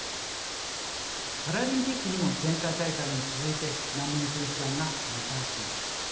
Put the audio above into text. パラリンピックにも前回大会に続いて難民選手団が参加します。